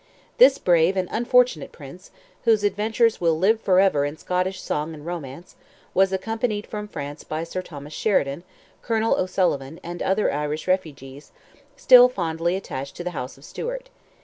This brave and unfortunate Prince, whose adventures will live for ever in Scottish song and romance, was accompanied from France by Sir Thomas Sheridan, Colonel O'Sullivan, and other Irish refugees, still fondly attached to the house of Stuart.